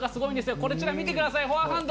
こちらちょっと見てください、フォアハンド。